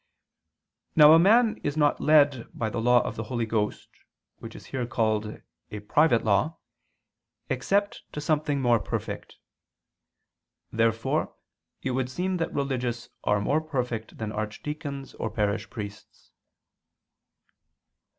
Now a man is not led by the law of the Holy Ghost, which is here called a "private law," except to something more perfect. Therefore it would seem that religious are more perfect than archdeacons or parish priests.